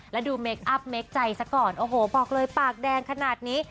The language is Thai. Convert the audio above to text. แล้วดูเมคอัพเมคใจซะก่อนโอ้โหบอกเลยปากแดงขนาดนี้